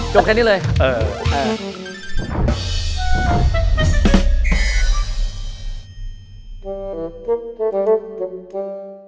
จบแค่นี้เลย